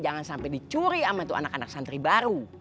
jangan sampai dicuri sama anak anak santri baru